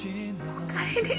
おかえり